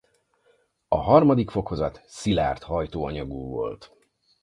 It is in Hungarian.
A harmadik fokozat szilárd hajtóanyagú volt.